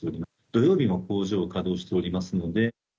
土曜日も工場を稼働しておりますので。